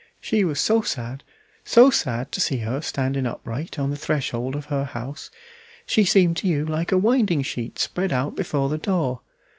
She was so sad, so sad, to see her standing upright on the threshold of her house, she seemed to you like a winding sheet spread out before the door.